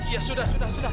ya sudah sudah sudah